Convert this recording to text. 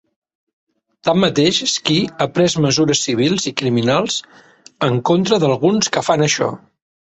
Tanmateix, Sky ha pres mesures civils i criminals en contra d'alguns que fan això.